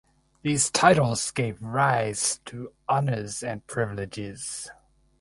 These titles gave rise to honors and privileges.